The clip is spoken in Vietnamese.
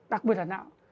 đặc biệt là não